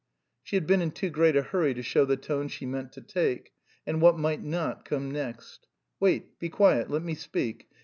She had been in too great a hurry to show the tone she meant to take. And what might not come next? "Wait, be quiet; let me speak.